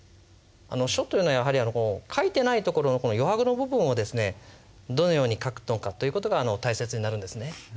書というのはやはり書いてないところの余白の部分をどのように書くのかという事が大切になるんですね。